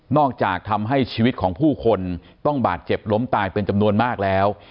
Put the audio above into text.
จากทำให้ชีวิตของผู้คนต้องบาดเจ็บล้มตายเป็นจำนวนมากแล้ว